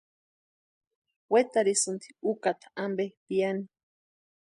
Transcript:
Wetarhisïnti úkata ampe piani.